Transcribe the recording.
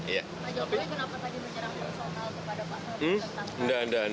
pak jokowi kenapa tadi menyerahkan personal kepada pak prabowo